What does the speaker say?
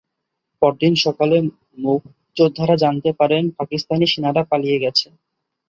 পরদিন সকালে মুক্তিযোদ্ধারা জানতে পারেন, পাকিস্তানি সেনারা পালিয়ে গেছে।